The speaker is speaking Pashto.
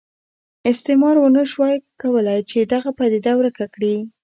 استعمار ونه شوای کولای چې دغه پدیده ورکه کړي.